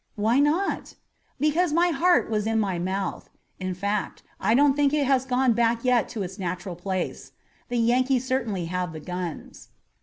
"Why not?" "Because my heart was in my mouth. In fact, I don't think it has gone back yet to its natural place. The Yankees certainly have the guns."